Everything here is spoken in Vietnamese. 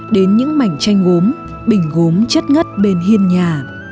đến những mảnh chanh gốm bình gốm chất ngất bên hiên nhà